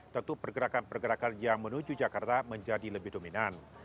tentu pergerakan pergerakan yang menuju jakarta menjadi lebih dominan